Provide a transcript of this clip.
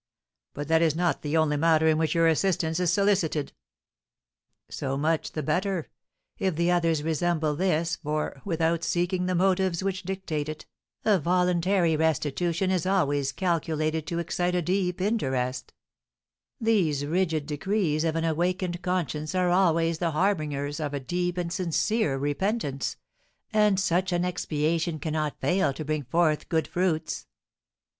"But that is not the only matter in which your assistance is solicited." "So much the better, if the others resemble this, for, without seeking the motives which dictate it, a voluntary restitution is always calculated to excite a deep interest; these rigid decrees of an awakened conscience are always the harbingers of a deep and sincere repentance, and such an expiation cannot fail to bring forth good fruits."